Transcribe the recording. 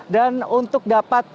dan untuk dapat